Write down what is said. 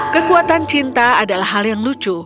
kekuatan cinta adalah hal yang lucu